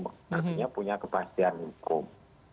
artinya punya kepastian hukum